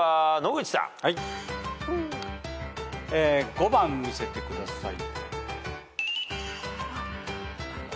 ５番見せてください。